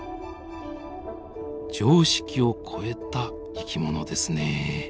常識を超えた生き物ですね。